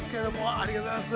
ありがとうございます。